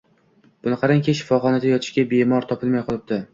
Buni qarangki, shifoxonada yotishga bemor topilmay qolibdi